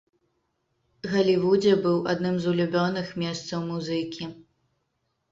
Галівудзе быў адным з улюбёных месцаў музыкі.